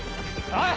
おい！